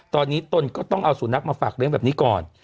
ตอนนี้ตนก็ต้องเอาสุนัขมาฝากเลี้ยงแบบนี้ก่อน